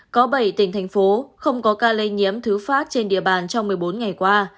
có bảy tỉnh thành phố không có ca lây nhiễm thứ phát trên địa bàn trong một mươi bốn ngày qua